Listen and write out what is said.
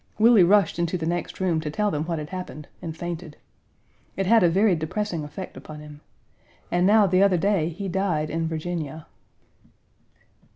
Willie rushed into the next room to tell them what had happened, and fainted. It had a very depressing effect upon him. And now the other day he died in Virginia.